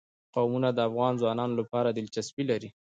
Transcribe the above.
قومونه د افغان ځوانانو لپاره دلچسپي لري.